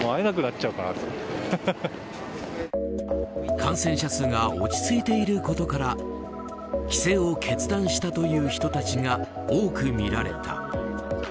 感染者数が落ち着いていることから帰省を決断したという人たちが多く見られた。